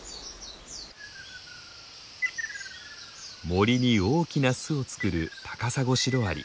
森に大きな巣を作るタカサゴシロアリ。